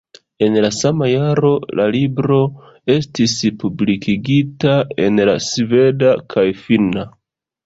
En la sama jaro la libro estis publikigita en la sveda kaj finna.